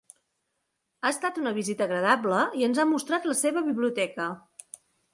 Ha estat una visita agradable i ens ha mostrat la seva biblioteca.